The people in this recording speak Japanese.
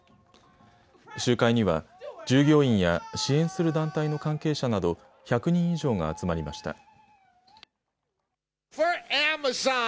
集会には従業員や支援する団体の関係者など１００人以上が集まりました。